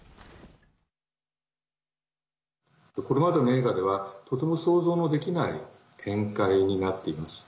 これまでの映画ではとても想像のできない展開になっています。